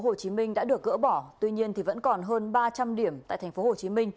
tp hcm đã được gỡ bỏ tuy nhiên thì vẫn còn hơn ba trăm linh điểm tại tp hcm